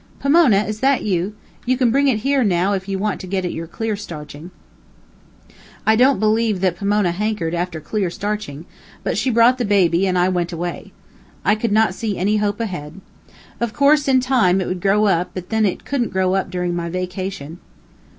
Pomona! is that you? You can bring it here, now, if you want to get at your clear starching." I don't believe that Pomona hankered after clear starching, but she brought the baby and I went away. I could not see any hope ahead. Of course, in time, it would grow up, but then it couldn't grow up during my vacation.